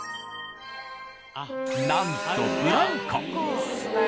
なんとブランコ。